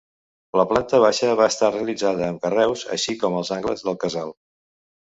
La planta baixa va estar realitzada amb carreus, així com els angles del casal.